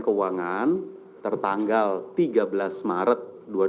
berisikan rekap atas tiga ratus